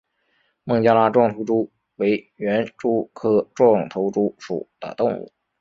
孟加拉壮头蛛为园蛛科壮头蛛属的动物。